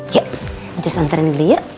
yuk aja santarin dulu yuk